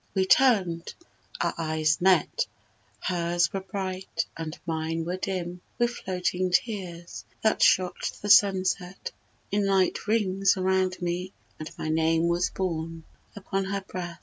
We turn'd: our eyes met: her's were bright, and mine Were dim with floating tears, that shot the sunset, In light rings round me; and my name was borne Upon her breath.